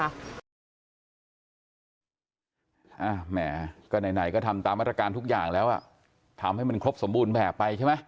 แหมก็ไหนก็ทำตามมาตรการทุกอย่างแล้วอ่ะทำให้มันครบสมบูรณ์แบบไปใช่ไหม